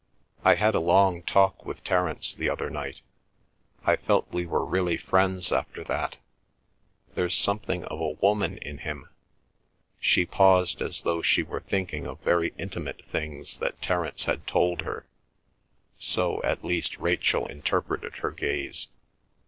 I had a long talk with Terence the other night. I felt we were really friends after that. There's something of a woman in him—" She paused as though she were thinking of very intimate things that Terence had told her, so at least Rachel interpreted her gaze.